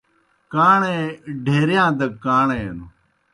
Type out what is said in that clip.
کاݨے ڈھیرِیاں دگہ کاݨے نوْ